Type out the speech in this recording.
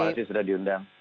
terima kasih sudah diundang